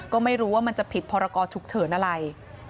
ก็ไม่รู้ว่ามันจะผิดพรกรฉุกเฉินอะไร